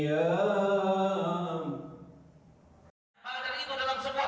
yang terlibat dengan limang dan bukhari